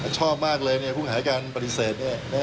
ชอบมากเลยผู้หาการปฏิเสธ